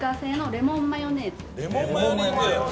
レモンマヨネーズ。